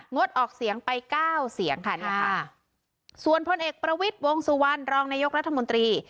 ดออกเสียงไปเก้าเสียงค่ะเนี่ยค่ะส่วนพลเอกประวิทย์วงสุวรรณรองนายกรัฐมนตรี